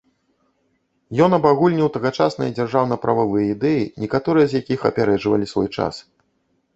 Ён абагульніў тагачасныя дзяржаўна-прававыя ідэі, некаторыя з якіх апярэджвалі свой час.